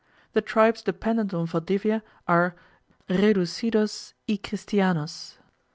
The tribes dependent on Valdivia are "reducidos y cristianos."